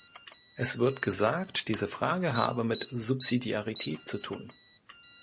Es wird gesagt, diese Frage habe mit Subsidiarität zu tun.